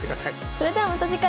それではまた次回。